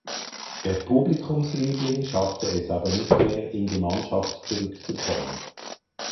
Der Publikumsliebling schaffte es aber nicht mehr in die Mannschaft zurück zu kommen.